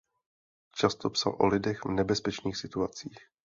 Často psal o lidech v nebezpečných situacích.